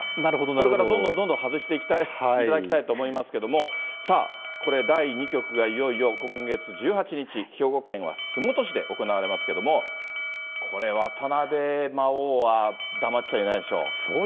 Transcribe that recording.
これからどんどんどんどん外していただきたいと思いますけれども、さあ、これ第２局がいよいよ今月１８日、兵庫県は洲本市で行われますけれども、これ、渡辺魔王は黙っちゃいないでしょう。